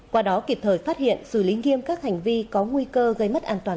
qua đó kịp thời phát hiện xử lý nghiêm các hành vi có nguy cơ gây mất an toàn